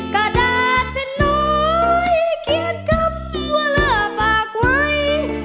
กระดาษเป็นน้อยเขียนคำว่าลาฝากไว้